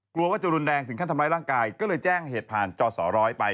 กลัวว่าจะรุนแรงถึงขั้นทำร้ายร่างกายก็เลยแจ้งเหตุผ่านจอสอร้อยไป